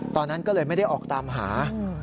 ตอนนั้นก็เลยไม่ได้ออกตามหา